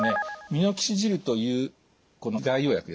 ミノキシジルというこの外用薬ですね